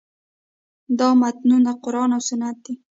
دا متنونه قران او سنت دي.